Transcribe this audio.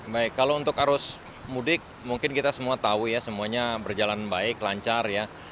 baik kalau untuk arus mudik mungkin kita semua tahu ya semuanya berjalan baik lancar ya